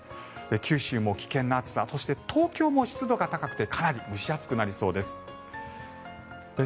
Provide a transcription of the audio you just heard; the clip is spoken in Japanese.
九州も危険な暑さそして、東京も湿度が高くてかなり蒸し暑くなりそうです。